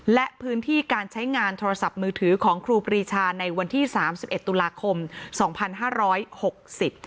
และพื้นที่การใช้งานโทรศัพท์มือถือของครูปรีชาในวันที่สามสิบเอ็ดตุลาคมสองพันห้าร้อยหกสิบ